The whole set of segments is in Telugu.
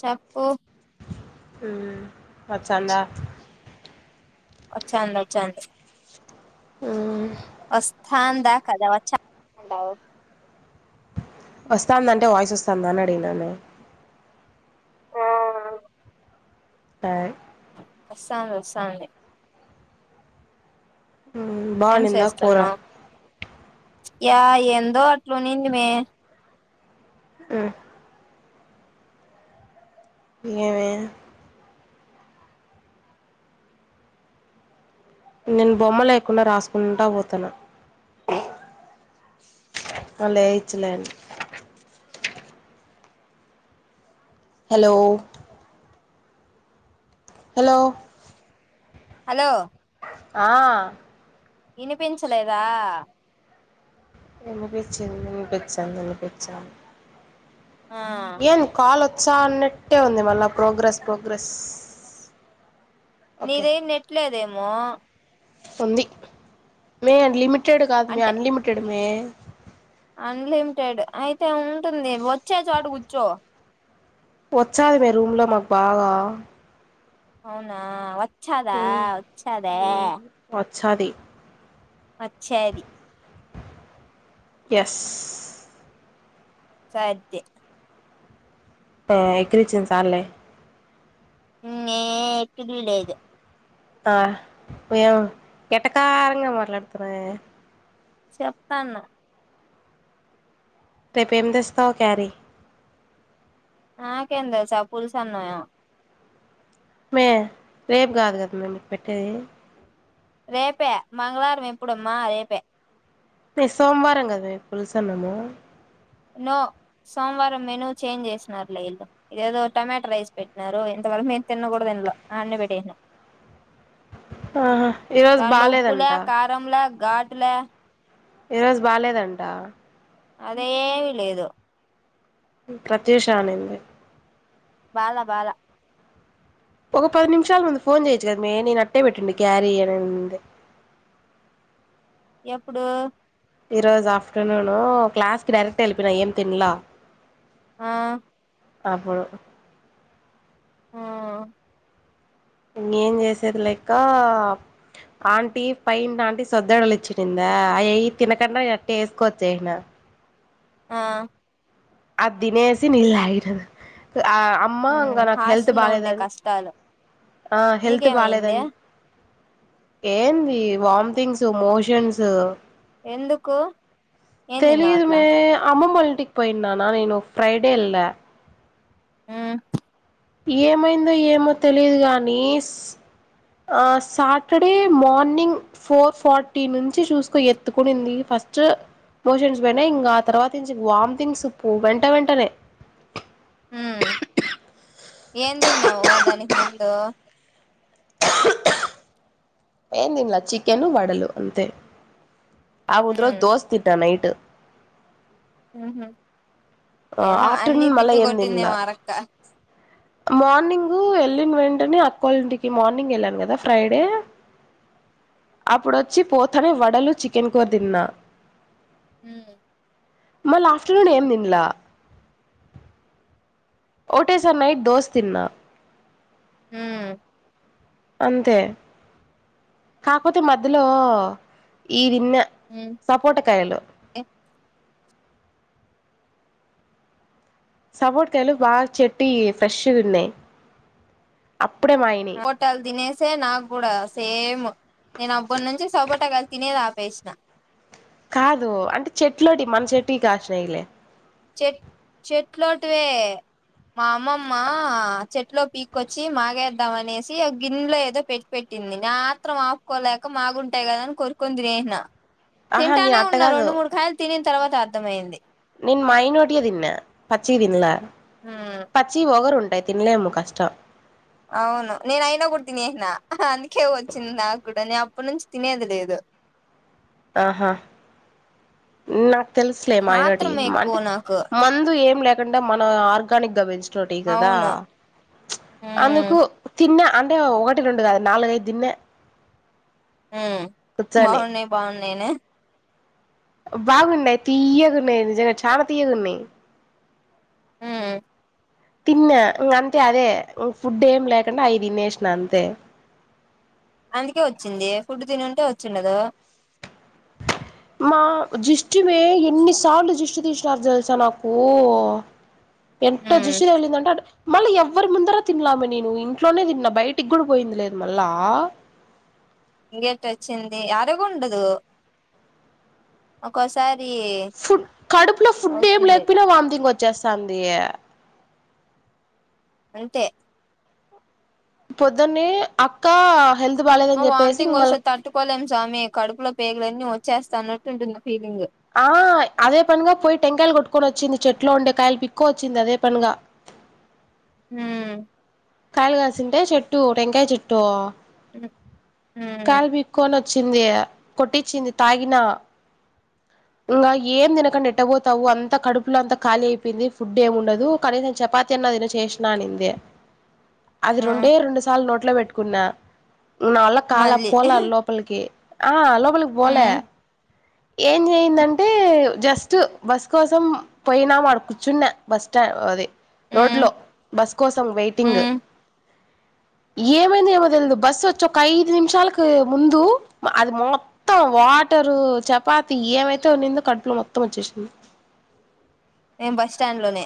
చప్పు ఉమ్ వచ్చందా వచ్చంద్ వచ్చంది ఆహ్ వస్తందా కదా వచ్చందంటవూ వస్తాందంటే వాయిస్ వస్తాందా అని అడిగిననే ఓహ్ తాడ్ వస్సాద్ వసాంది ఉమ్ ఏం బావుండింద కూర చేస్తున్నావ్ యా ఎందో అట్లుండింది మే మ్మ్ ఏమే నేను బొమ్మ లేకుండా రాసుకుంటా పోతాన్న. మల్లేయ్యచ్చులే అని హలో హలో హలో ఆ ఈనిపించలేదా ఈనిపించింది ఈనిపించంద్ ఈనిపించంద్ ఆ ఏన్ద్ కాలోత్ చ్చ అన్నట్టే ఉంది. మళ్ళా ప్రోగ్రస్ ప్రోగ్రస్ నీదేం నెట్లేదే యం మోహ్ ఉంది మే అన్డ్లిమిట్ లిమిటెడ్ కాదుమే అంటే అన్లిమిటెడ్మే అన్లిమిటెడ్ అయితే ఉంటుంది. వచ్చే చోట కూర్చో వచ్చాది మే రూమ్ లో మాక్ బాగా అవునా చ్చదా వచ్చదా చ్చది. వచ్చది ఎస్ సాధ్యే ఆ ఎక్రీచిన్ సాల్లే మే ఏ ఎకిరియ్ లేదు. ఆ ఏ్యం ఎట్టకారంగా మాట్లాడుతునవే. చెప్తాన్న రేపు ఏం తెస్తావ్ క్యారీ నాకేం తెల్సే ఆ పల్సాన్నం ఏమో మే రేపు గాదు గద్మే మిక్ పెట్టేది. రేపే మంగల్వారం ఎప్పుడమ్మా రేపే తే సోమవారం కదవే ఫుల్సన్నము. నో సోమవారం మెను చేంజ్ చేసినరు లే ఇల్లు ఇదేదో టొమాటా రైస్ పెట్టినారు ఇంతవరకు నేను తినకూడ తినాలా ఆడనే పెటేసిన ఆహా ఈరోజు బాలేదంట గాటులే ఈ రోజు బాలేదంట అదేవి లేదు ప్రత్యష అనింది బాల బాల ఒక పది నిమిషాలు ముందు ఫోన్ చేయయిచ్చు కదా మే నేను అట్టే పెట్టిండి క్యారీ అయనుంది ఎప్పుడు ఈ రోజు ఆఫ్టర్నూను క్లాస్ కి డైరెక్ట్ వెళ్లిపోయిన ఏం తిన్లా ఆ అపుడు ఆ ఇంకేం చేసేది లెక్క ఆంటీ పై ఆంటీ సొద్దడలి ఇచ్చిందా అయయి తినకుండా అట్టే వేసుకోచెసినా ఆ ఆదినేసి నీలు తగిన ఆ అమ్మ మ్ ఇంకా నాకు హెల్త్ హాస్టల్లో బాలేద ఉండే కష్టాలు ఆ హెల్త్ నీకేమైంది బాలేదని ఏంది వామ్టింగ్స్ మోషన్స్ ఎందుకు ఏం తిన్నావు అట్లా తెలిదుమే అమ్మమ్మ వాలి టిక్పోయి నా నేను ఫైడే వేల్ల హ్మ్ ఏమైందో ఏమో తెలియదు గాని ఆ సాటర్డే మార్నింగ్ ఫోర్ ఫార్టీ నుంచి చూసుకో ఎత్తుకునింది ఫస్ట్ మోషన్స్ పోయిన ఇంకా తర్వాత నుంచి వామిటింగ్ సు ప్పు వెంట వెంటనే హ్మ్ ఏన్ దిన్ నవు ఓదానికీ ముందు ఏం తినలే చిక్కెను వడలు అంతే ఆ ముందురోజు మ్ దోసే తిన్న నైట్ ఉహుమ్ ఏమో అన్ని ఆఫ్టర్నూన్ మళ్ళా తిప్పి ఏం తినలా కొట్టిందేమో అరక్క మార్నింగ్ వెళ్ళిన వెంటనే అక్కోళంటికి మార్నింగ్ వెళ్ళాను కదా ఫ్రైడే అప్పుడుచ్చి పోతనే వడలు చికెన్ కూర తిన్నా మ్ మళ్ళ ఆఫ్టర్నూన్ ఏం తిన్ల ఓటే సార్ నైట్ దోస్ తిన్నా మ్ అంతే కాపోతే మధ్యలో ఈది న్న సపోటకాయలు సపోటకాయలు బాగా చెట్టివి ఫ్రెష్ గా ఉన్నాయి అప్పుడే మాయినయి హోటల్ తినేష్ సే నాకు కూడా సేమ్ నేను అబ్బటినించ్చి సపోటకాయలు తినేది ఆపేసిన కాదు అంటే చెట్లోటి మన చెట్టుకి కాసినయిలే చెట్ చెట్లోటివే మా అమ్మమ్మ చెట్లో పీకొచ్చి మాగేద్దామనేసి ఆ గిన్నెలో ఏదో పెట్టి పెట్టింది నా ఆత్రం ఆపుకోలేక మాగుంటాయి కదాని కోరుకుని తినేసిన ఆహా నేను తింటానే అట్ట ఉన్న కాదు రెండు మూడు కాయలు తినిన్ తర్వాత అర్థమైంది నోటిగ దీన్న పచ్చిగ తిన్నాల్ పచ్చి వగరు ఉం డై తినలేము కష్టం అవును నేను అయినా కూడా తినేసిన అందుకే వచ్చింది నాకు కూడా నేను అప్పటినుంచి తినేది లేదు ఆహా నా తెలుసులే మాయనోటి ఆత్రం ఎక్కువ అంటే నాకు మందు ఏం లేక మన ఆర్గానిక్ గా పెంచ్ రోటీ కదా అవును అందుకు తిన్న అంటే ఒకటి రెండు కాదు నాలుగైదు దిన్నే మ్ బాగున్నాయి బాగున్నా నేను బాగున్నాయి తీయియగున్నాయి నిజంగా చాన తీయగున్నాయి మ్ తిన్నా ఇం అంతే అదే ఫుడ్ ఏం లేకుండా అవి తినేసిన అంతే అందుకే వచ్చింది ఫుడ్ తినింటే వచ్చిండదు మా దిష్టిమే ఎన్నిసార్లు జిష్టు తీసినారు తెలుసా నాకూ ఎంత హ్మ్ దిష్టి తగిలాంటే మళ్ళీ ఎవ్వరి ముందర తినాలె మ నేను ఇంట్లోనే తిన్నా బయటికి గుడి పోయింది లేదు మళ్ళ ఇ గేట్ వచ్చింది అరిగుండదు ఒకోసారి ఫుడ్ కడుపులో ఫుడ్ ఏం అవుతుంది లేకపోయినా వాంథింగ్ వత్ చేస్తాంది అంతే పొద్దునే అక్క హెల్త్ బాలేదని చెప్పేసి వామిటింగ్ ఇంగ మళ్ళ వస్తే తట్టుకోలేం స్వామి కడుపులో పేగులన్నీ వ చేస్తా అన్నట్టుంటుంది ఫీలింగ్ ఆ అదే పనిగా పోయి టెంకాయలు కొట్టుకొని వచ్చింది చెట్లో ఉండే కాయలు పిక్క వచ్చింది అదే పనిగా హ్మ్మ్ కాయగాసుంటే చెట్టు టెంగాయ చెెట్టు హ్మ్మ్ వచ్చింది కొట్టించింది తాగిన ఇంకా ఏం తినకం ఏటాబతావు అంతా కడుపులో అంతా ఖాళీ అయిపోయింది ఫుడ్ ఏమి ఉండదు కనీసం చపాతీ అన్న తిను చేసినా అంది అది ఆ రెండే రెండు సార్లు నోట్ల అట్లా పెట్టుకున్నా నాళ్ల కాల మళ్ళీ పోలే లోపలికి ఆ లోబలికి పోలే హ్మ్ ఏం చెయిందంటే జస్ట్ బస్ కోసం పోయినా వాడు కూర్చున్న బస్ స్టా అది రోడ్ హ్మ్ లో బస్ కోసం వెయిటింగ్ హ్మ్ ఏమైంది ఏమో తెల్. దు బస్సు వచ్చి ఒక ఐదు నిమిషాలకు ముందు అది మొత్తం వాటరు చెప్ పాత ఏమైతే ఉన్నిందో కడుపులో మొత్తం వచ్చేసింది. మేం బస్ స్టాండ్ లోనే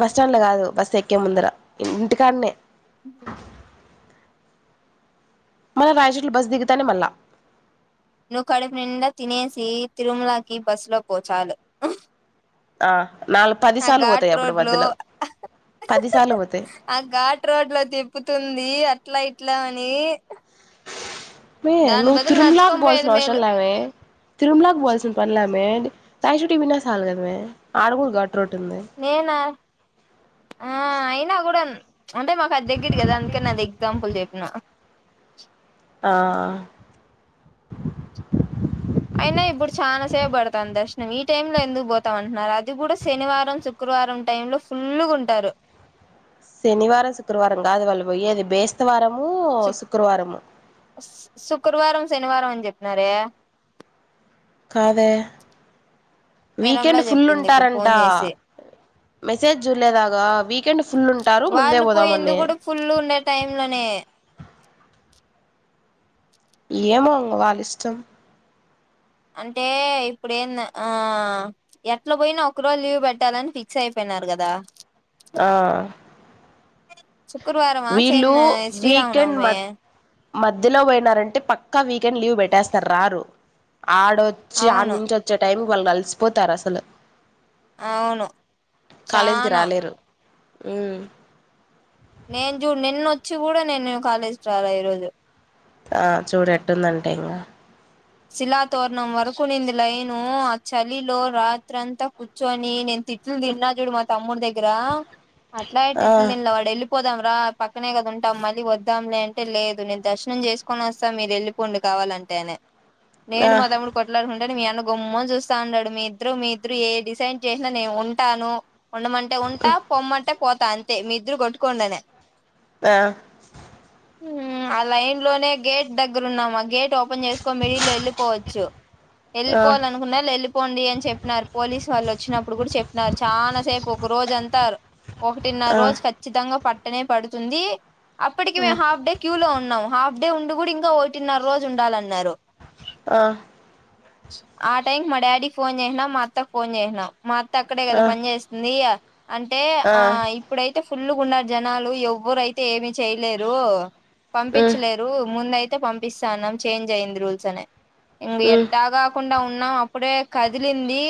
బస్టాండ్ లో కాదు బస్ ఎక్కే ముందర ఇంటికాడనే హ్ మన రాయచట్లు బస్ దిగుతానే మళ్ళా నువ్వు కడుపు నిండా తినేసి తిరుమలకి బస్లో పోచాలు ఆ నాలుగు పది ఆ సార్లు పోతాయి ఘాట్ అప్పుడు రోడ్ లో మధ్యలో పది సార్లు పోతాయి ఆ ఘాట్ రోడ్ లో తిప్పుతుంది అట్లా ఇట్లా ఇలా అని మే దాని నువ్వు బదులు తిరుమలాకు నడుచుకొని బోల్స్ న పోయేది మేలు అవసరంలామే తిరుమిలాకు పోవాల్సిన పనలేదు మే రాయ్ చుటి కి పోయినా సాల్ గదమే ఆడగుడ గట్ నేన ఆయి నా కూడా అంటే మాకు అది దగ్గిట్ కదా అందుకనే అది ఎగ్జాంపుల్ చెప్పిన ఆ అయినా ఇప్పుడు చానసేప పడతాంది దర్శనం. ఈ టైమ్ లో ఎందుకు పోతామ అంటున్నారు. అది కూడా శనివారం, శుక్రవారం టైంలో ఫుల్లుగా ఉంటారు. శనివారం శుక్రవారం కాదు వళ్ళు పోయ్యేది బేస్తవారం సుక్ శుక్రవారం శనివారం అని చెప్పినారే కాదే నిరంలా వీకెండ్ ఫుల్ చెప్పింది ఇప్పుడు ఉంటారంట. ఫోన్ చేసి మెసేజ్ చూడలేదగా వీకెండ్ ఫుల్ ఉంటారు. ముందే వాళ్ళు పోయింది పోదామని కూడా ఫుల్ ఉండే టైమ్ లోనే ఏమోంగ వాళ్ళ ఇష్టం అంటే ఇప్పుడేంద ఆ ఎట్ల పోయినా ఒక రోజు లీవ్ పెట్టాలని ఫిక్స్ అయిపోయినారు కదా. ఆ శుక్రవారమా సేన్ వీళ్ళు వీకెండ్ మ శ్రీరామనవమి మధ్యలో పోయినారంటే పక్కా వీకెండ్ లీవ్ పెట్టేస్తారు రారు ఆడొచ్చి ఆడ అవును నుంచి వచ్చే టైం వళ్ళు కలిసిపోతారు అసలు అవును చానా ఊ నేను చూడ్ నిన్న వచ్చి కూడా నేను కాలేజ్ కి రాల ఈరోజు ఆ చూడు ఎట్టుందంటే ఇంగా శిలా తోరణం వరకునింది. లైను ఆ చలిలో రాత్రంతా కూర్చొని నేను తిట్లు తిన్నా చూడు. మా తమ్ముడి దగ్గర అట్లా అ ఆ తిట్లు నిల వాడెల్ పోదాం రా పక్కనే కదా ఉంటాం. మళ్ళీ వద్దాం లే అంటే లేదు. నేను దర్శనం చేసుకొని వస్తా మీరు ఎల్లిపోండి కావాలంటే నేను ఆ మా తమ్ముడు కొట్లాడుకుం మీ అన్న గుమ్మం చూస్తా ఉంటడు మీ ఇద్దరు మీ ఇద్దరు ఏ డిసైన్ చేసినా నేను ఉంటాను. ఉండమంటే ఉంటా పొమ్మంటే పోతా అంతే మీద్ద్ర కొట్టుకోండనే ఆ ఆ లైన్ లోనే గేట్ దగ్గర ఉన్నాము, గేట్ ఓపెన్ చేసుకొన్ ట్ల ఎళ్ళిపోవచ్చు ఆ ఎళ్ళిపోవాలనుకున్నోళ్ళు ఎళ్లిపోండి అని చెప్పినారు పోలీసు వాళ్ళు వచ్చినప్పుడు గుడ చెప్పినారు, చాలా సేపు ఒక రోజు అంత్ టారు ఆ ఆ ఒకటిన్నారోజు ఖచ్చితంగ పట్ ట్టనే పడుతుంది అప్పటికి మేము హాఫ్ డే క్యూ లో ఉన్నాము. హాఫ్ డే ఉండి గూడింకా ఇంకా ఓటిన్నరోజు ఉండాలన్నరు. ఆ ఆ టైంకి మా డాడీక్ ఫోన్ చేసినం, మా అత్తక్ ఫోన్ చేసినం మా అత్తక్కడే గదా పని చేస్తుంది అంటే ఆ ఇప్పుడైతే ఫ్ ఫుల్లుగున్నారు జనాలు ఎవ్వరైతే ఏమి చేయలేరు. ఉమ్ పంపిచ్చలేరు ముందయిత్ తె పంపిస్తానమ్ చేంజ్ అయింది రూల్ ట్లనే ఇంగ ఉమ్ ఎట్టాగాకుండ ఉన్ నా అప్ ప్పుడే కదిలింది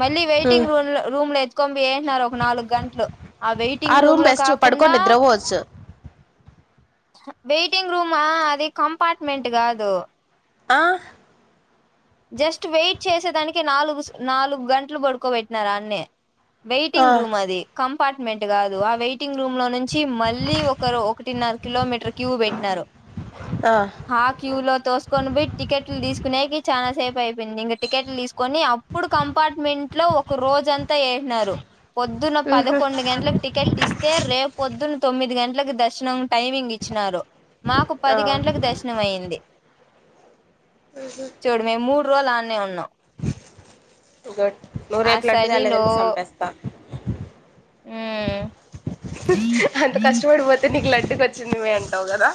మల్లి ఉమ్ వెయిటింగ్ రూమ్లొ రూమ్లెజ్ మెంట్నారు ఒక నాలుగు గంటలు, ఆ వెయిటింగ్ రూమ్ లో బెస్ట్ పడుకొని కాకుండా నిద్రపోవచ్చు వెయిటింగ్ రూమా అది కంపార్ట్మెంట్ గాదు. ఆ జస్ట్ వెయిట్ చేసేదానికి నాలుగు స్ నాలుగు గంటలు పడుకోబెట్టినారు ఆన్నే ఆ వెయిటింగ్ రూమది కం అపార్ట్మెంట్ గాదు ఆ వెయిట్ టింగ్ రూమ్ లో నుంచి మళ్ళీ ఒకరు ఒకటిన్నర కిలోమీటర్ క్యూ పెట్టినారు, ఆ క్యూ లో తోస్ కొని పోయి టికెట్లు తీసుకునేకి చాలా సేపు అయిపోయింది ఇంక టికెట్లు తీసుకొని అప్పుడు కంపార్ట్మెంట్ లో ఒక రోజంతా ఏసినారు. పొద్దున్న పదకొండు గంటలకు టికెట్ ఇస్తే రేపు పొద్దున్ తొమ్మిది గంటలకి దర్శనం టైమింగ్ ఇచ్చినారు. మాకు ఆ పది గంట్లకు దర్శనం అయ్యింది. చూడు మేమ్ మూడు రోజ్లు అన్నే ఉన్నామ్ టుగట్ నువ్వు ఆ రేప్ లడ్డు చలిలో తాలేదంటే సంపేస్తా ఉమ్ అంత కష్టపడుపోతే నికులడు ఇంటికి వచ్చిందివే అంటావు కదా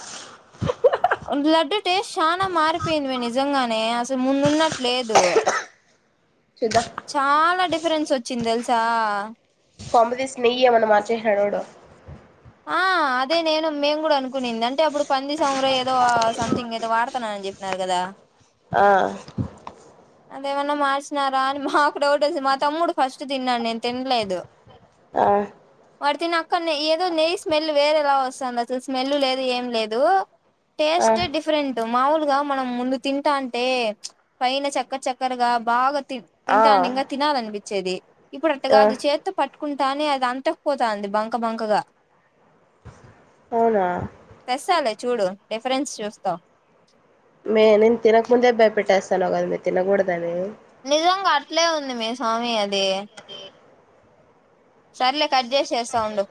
లడ్డు టేస్ట్ చానా మారిపోయింది మే నిజంగానే అసలు ముందు ఉన్నట్లు లేదు చూద్దాం చాలా డిఫరెన్స్ వచ్చి చి తెలుసా కొంపదీసి నెయ్యమన్న మార్చేసిండా వాడు ఆ అదే నేను మేము కూడా అనుకునింది అంటే అప్పుడు పంది సంమురం ఏదో సంథింగ్ ఏదో వాడుతాన్నా అని చెప్పినారు కదా ఆ అదేమన్నా మార్చినారా అని మాకు డౌట్ వోచి మా తమ్ముడు ఫస్ట్ తిన్నాడు నేను తినలేదు ఆ వాడు తిన్న అక్కన్నే ఏ నెయ్యి స్మెల్ వేరేలా వస్తుంది అసలు స్మెల్ లేదు ఏం లేదు ఆ టేస్ట్ డిఫరెంట్ మాములుగా మనం ముందు తింటాంటే పైన చక్క చక్కరగా బాగా ఆ తింటా ఇంకా తినాలనిపించేది ఇప్పుడు అట్ ఆ కాదు చేత్తో పట్టుకుంటానే అది అంతకుపోతా అంది బంక బంకగా అవునా తెస్తాలే చూడు డిఫరెన్స్ చూస్తావు మీే నిన్ తినక ముందే భయపెట్టేస్తున్నావ్ మే తినకూడదని నిజంగా అట్లే ఉంది మే స్వామి అది సర్లే కట్ చేసి చేస్తా ఉండు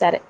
సరే